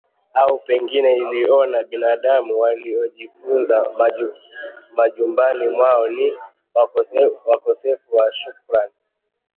au pengine iliona binadamu waliojifungia majumbani mwao ni wakosefu wa shukurani